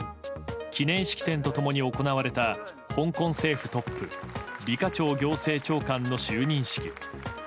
記念式典と共に行われた香港政府トップリ・カチョウ行政長官の就任式。